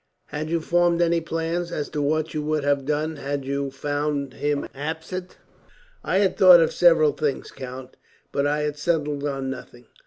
Had you formed any plans as to what you would have done, had you found him absent?" "I had thought of several things, count, but I had settled on nothing.